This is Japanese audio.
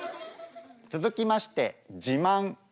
続きまして「自慢」。